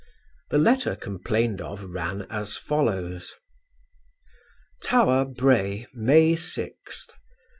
The letter complained of ran as follows: TOWER, BRAY, May 6th.